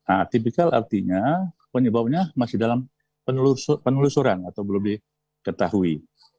atipikal artinya penyebabnya masih dalam penelusuran atau belum diketahui